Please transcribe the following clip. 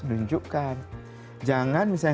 nunjukkan jangan misalnya